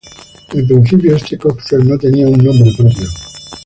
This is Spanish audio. En principio este cóctel no tenía un nombre propio.